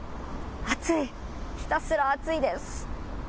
暑い、ひたすら暑いです。